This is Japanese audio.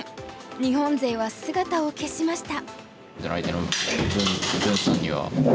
日本勢は姿を消しました。